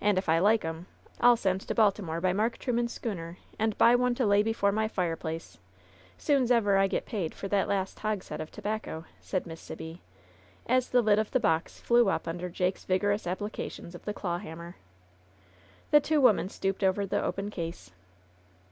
And if I like 'em, I'll send to Baltimore by Mark Truman's schooner, and buy one to lay before my fireplace, soon's ever I get paid for that last hogshead of tobacco," said Miss Sibby, as the lid of the box flew up under Jake's vigorous applications of the clawhammer. The two women stooped over the open case.